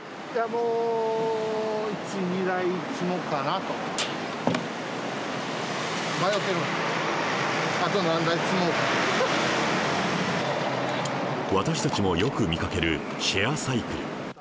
迷うてるわ、私たちもよく見かけるシェアサイクル。